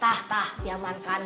tak tak diamankan